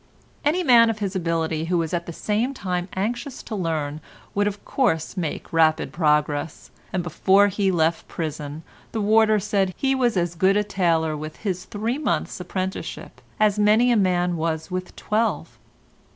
Any man of his ability who was at the same time anxious to learn would of course make rapid progress, and before he left prison the warder said he was as good a tailor with his three months' apprenticeship as many a man was with twelve.